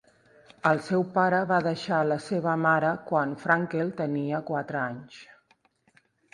El seu pare va deixar la seva mare quan Frankel tenia quatre anys.